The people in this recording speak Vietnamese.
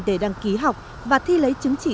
để đăng ký học và thi lấy chứng chỉ